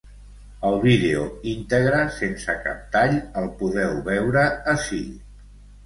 El vídeo íntegre, sense cap tall el podeu veure ací.